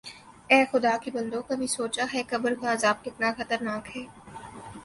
اے خدا کے بندوں کبھی سوچا ہے قبر کا عذاب کتنا خطرناک ہے